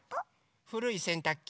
ふるいせんたくき？